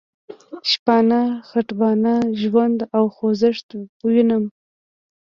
شپانه، خټبانه، ژوند او خوځښت وینم.